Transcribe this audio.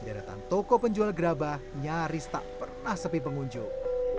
deretan toko penjual gerabah nyaris tak pernah sepi pengunjung